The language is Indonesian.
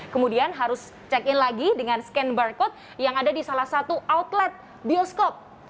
kemudian harus check in lagi dengan scan barcode yang ada di salah satu outlet bioskop